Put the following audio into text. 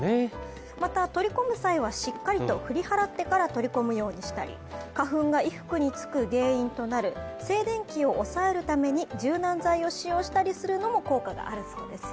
また、取り込む際はしっかりと振り払ってから取り込むようにしたり、花粉が衣服につく原因となる静電気を抑えるために柔軟剤を使用したりすることも効果があるそうですよ。